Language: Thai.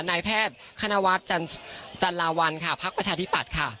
นายแพทย์คณวัฒน์จันลาวัลค่ะพักประชาธิปัตย์ค่ะ